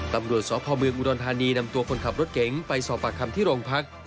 ตำรวจสพเมืองอุดรธานีนำตัวคนขับรถเก๋งไปสอบปากคำที่โรงพัก